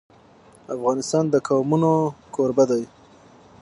افغانستان د قومونه کوربه دی.